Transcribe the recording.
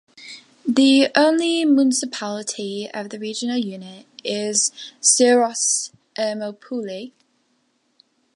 The only municipality of the regional unit is Syros-Ermoupoli.